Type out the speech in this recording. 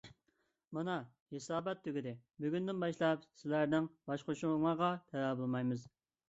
مانا، ھېسابات تۈگىدى. بۈگۈندىن باشلاپ سىلەرنىڭ باشقۇرۇشۇڭلارغا تەۋە بولمايمىز!